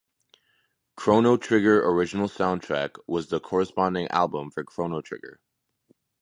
"Chrono Trigger Original Soundtrack" was the corresponding album for "Chrono Trigger".